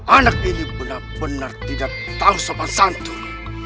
anak ini benar benar tidak tahu sopan santun